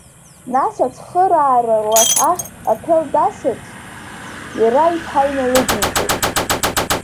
Нас Ацхыраара лас ахь аҭел дасырц, иара иԥҳа иналыдиҵеит.